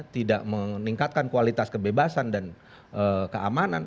tidak meningkatkan kualitas kebebasan dan keamanan